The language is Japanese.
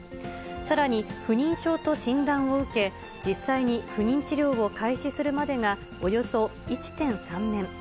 さらに不妊症と診断を受け、実際に不妊治療を開始するまでが、およそ１．３年。